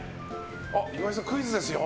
岩井さん、クイズですよ。